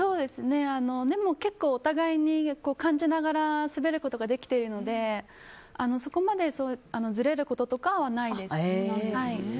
でも、結構お互いに感じながら滑ることができているのでそこまでずれることとかはないです。